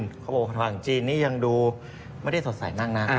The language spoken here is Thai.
ทางจีนนี่ยังดูไม่ได้สดใสมาก